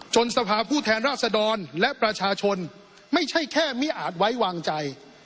จนสภาพูดแทนราษดรและประชาชนไม่ใช่แค่มิอาธบินไว้วางใจ